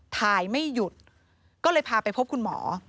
ถ่ายไม่หยุดก็เลยพาไปพบคุณหมอ